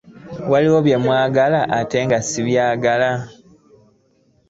Waliwo bye mwagala ate nga nze sibyagala.